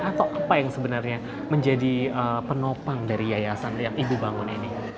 atau apa yang sebenarnya menjadi penopang dari yayasan yang ibu bangun ini